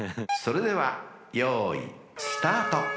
［それではよいスタート］